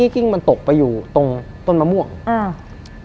กิ้งมันตกไปอยู่ตรงต้นมะม่วงอ่า